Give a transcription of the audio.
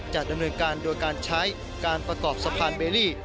จะดำเนินการโดยการใช้การประกอบสะพานเบลลี่